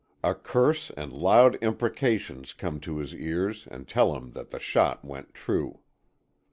A curse and loud imprecations come to his ears, and tell him that the shot went true.